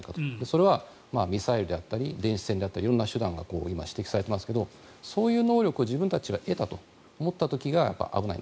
それはミサイルだったり電子戦だったり色んな手段が今、指摘されていますがそういう能力を自分たちが得たと思った時が危ない。